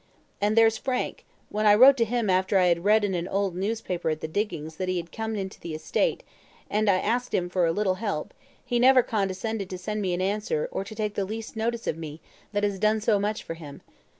And there's Frank, when I wrote to him after I had read in an old newspaper at the diggings that he had come into the estate, and asked him for a little help, he never condescended to send me an answer or to take the least notice of me that has done so much for him.